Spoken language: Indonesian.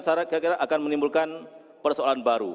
saya kira kira akan menimbulkan persoalan baru